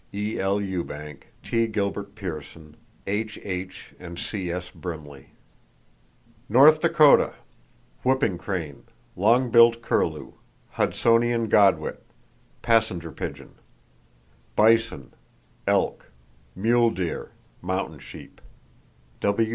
—(E.L. Ewbank, T. Gilbert Pearson, H.H. and C.S. Brimley.) North Dakota: Whooping crane, long billed curlew, Hudsonian godwit, passenger pigeon; bison, elk, mule deer, mountain sheep.